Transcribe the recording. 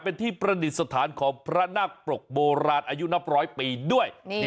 เป็นที่ประดิษฐานของพระนักปรกโบราณอายุนับร้อยปีด้วย